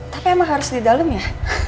tapi emang harus di dalam ya